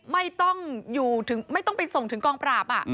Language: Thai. ไม่ต้องไปส่งถึงกองปราบ